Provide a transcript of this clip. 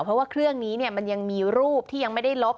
เพราะเครื่องนี้เนี่ยมันยังมีรูปที่ไม่ได้ลบ